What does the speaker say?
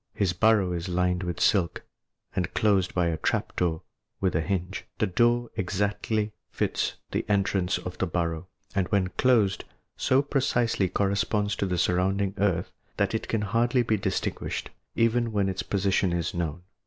His burrow is lined with silk, and closed by a trap door with a hinge. The door exactly fits the entrance to the burrow, and when closed, so precisely corresponds with the surrounding earth that it can hardly be distinguished, even when its position is known.